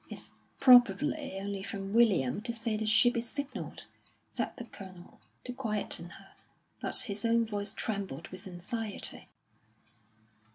"It's probably only from William, to say the ship is signalled," said the Colonel, to quieten her; but his own voice trembled with anxiety.